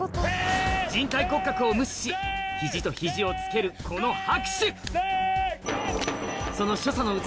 人体骨格を無視し肘と肘を付けるこの拍手